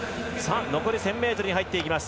残り１０００ｍに入っていきます。